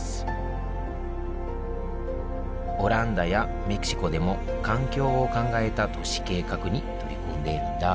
オランダやメキシコでも環境を考えた都市計画に取り組んでいるんだ